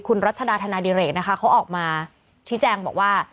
คุณรัชดาธนาดิเรกนะคะเขาออกมาชี้แจงบอกว่า